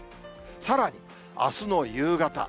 さらに、あすの夕方。